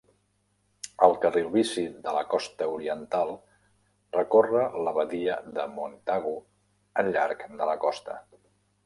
El carril bici de la costa oriental recorre la badia de Montagu al llarg de la costa.